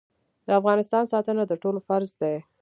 د افغانستان ساتنه د ټولو فرض دی